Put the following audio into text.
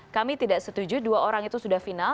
kami tidak setuju dua orang itu sudah final